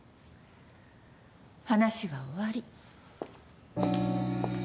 話は終わり。